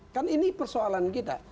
kan ini persoalan kita